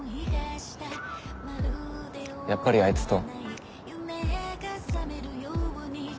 やっぱりあいつと。